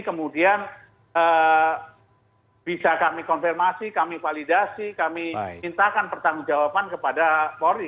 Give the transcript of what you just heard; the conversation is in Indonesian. kemudian bisa kami konfirmasi kami validasi kami mintakan pertanggung jawaban kepada polri